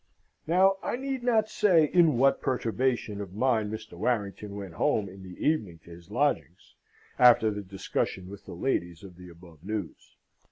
Now I need not say in what perturbation of mind Mr. Warrington went home in the evening to his lodgings, after the discussion with the ladies of the above news.